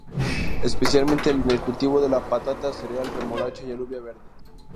Especialmente en el cultivo de la patata, cereal, remolacha y alubia verde.